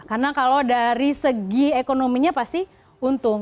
karena kalau dari segi ekonominya pasti untung